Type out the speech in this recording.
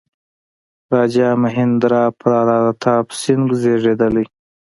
راجا مهیندرا پراتاپ سینګه زېږېدلی.